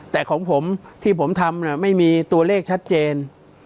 แต่ของผมที่ผมทำไม่มีตัวเลขชัดเจน